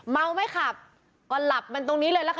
เมาไม่ขับก็หลับมันตรงนี้เลยล่ะค่ะ